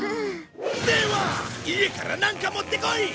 では家からなんか持ってこい！！